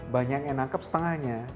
banyak yang nangkep setengahnya